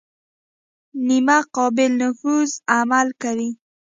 نیمه قابل نفوذ عمل کوي.